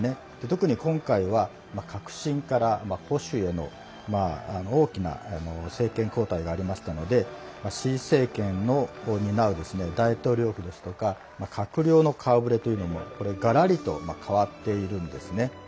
特に、今回は革新から保守への大きな政権交代がありましたので新政権を担う大統領府ですとか閣僚の顔ぶれというのもがらりと変わっているんですね。